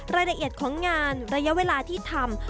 รายละเอียดของงานระยะเวลาที่ทำ